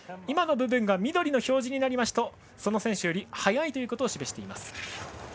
今の部分が緑の表示になりますとその選手より早いことを示しています。